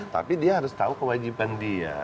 tapi dia harus tahu kewajiban dia